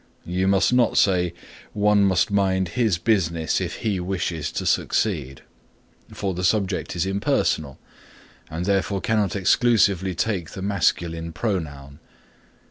You must not say "One must mind his business if he wishes to succeed," for the subject is impersonal and therefore cannot exclusively take the masculine pronoun.